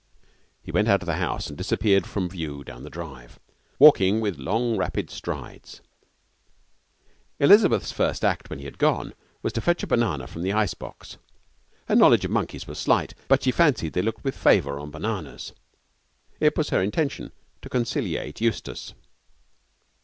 He went out of the house and disappeared from view down the drive, walking with long, rapid strides. Elizabeth's first act, when he had gone, was to fetch a banana from the ice box. Her knowledge of monkeys was slight, but she fancied they looked with favour on bananas. It was her intention to conciliate Eustace.